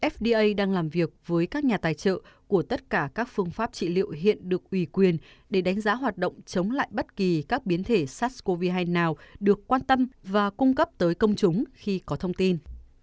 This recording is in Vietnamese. fda đang làm việc với các nhà tài trợ của tất cả các phương pháp trị liệu hiện được ủy quyền để đánh giá hoạt động chống lại bất kỳ các biến thể sars cov hai nào được quan tâm và cung cấp tới công chúng khi có thông tin